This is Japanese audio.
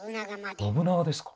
信長ですか。